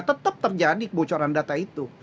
tetap terjadi kebocoran data itu